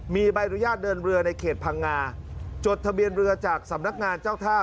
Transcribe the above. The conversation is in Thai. มีใบอนุญาตเดินเรือในเขตพังงาจดทะเบียนเรือจากสำนักงานเจ้าท่า